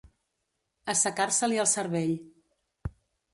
Assecar-se-li el cervell.